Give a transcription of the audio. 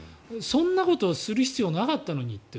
そんなことをする必要なかったのにって